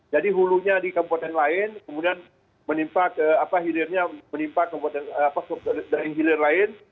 jadi hulunya di kabupaten lain kemudian menimpa apa hilirnya menimpa kabupaten lain